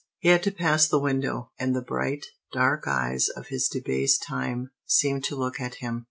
He had to pass the window; and the bright, dark eyes of his debased time seemed to look at him.